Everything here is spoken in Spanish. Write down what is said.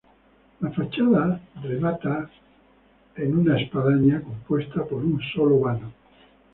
La fachada remata en una espadaña compuesta por un solo vano.